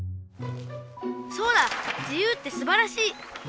そうだ自由ってすばらしい！